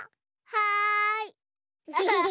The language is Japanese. はい。